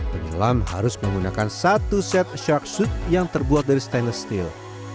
penyelam harus menggunakan satu set shark suit yang terbuat dari stainless steel